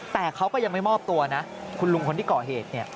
แต่เขาก็ยังไม่มอบตัวนะคุณลุงคนที่ก่อเหตุเนี่ย